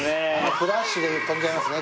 フラッシュで飛んじゃいますね